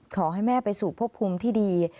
ขอให้แม่ไปสู่พบภูมิที่ดี